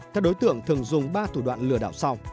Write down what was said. các đối tượng thường dùng ba thủ đoạn lừa đảo sau